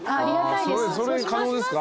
それ可能ですか？